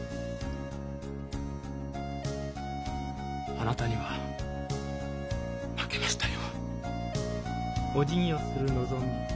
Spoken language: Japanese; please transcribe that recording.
あなたには負けましたよ。